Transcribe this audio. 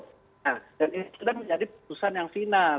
nah dan ini sudah menjadi putusan yang final